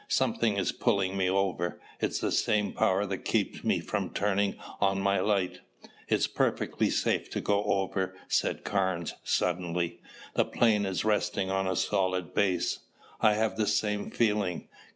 "Something is pulling me over. It's the same power that keeps me from turning on my light." "It's perfectly safe to go over," said Carnes suddenly. "The plane is resting on a solid base." "I have the same feeling.